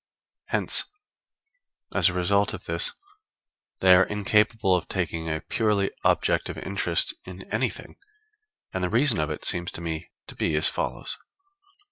Hence, as a result of this, they are incapable of taking a purely objective interest in anything; and the reason of it seems to me to be as follows.